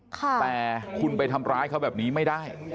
แต่คุณไปทำร้ายเขาแบบนี้ไม่ได้